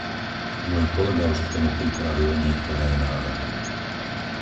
Môj kolega už k tomu pripravil niektoré návrhy.